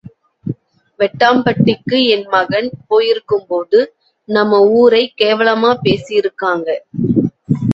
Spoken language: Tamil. வெட்டாம்பட்டிக்கு என் மகன் போயிருக்கும்போது, நம்ம ஊரை கேவலமா பேசியிருக்காங்க.